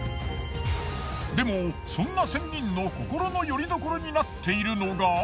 でもそんな仙人の心のよりどころになっているのが。